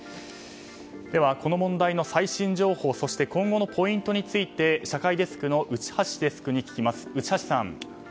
では、この問題の最新情報そして今後のポイントについて社会デスクの内橋デスクに聞きます。